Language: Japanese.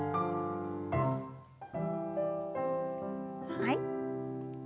はい。